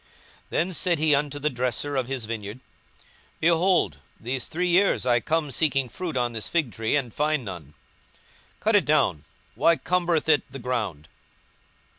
42:013:007 Then said he unto the dresser of his vineyard, Behold, these three years I come seeking fruit on this fig tree, and find none: cut it down; why cumbereth it the ground?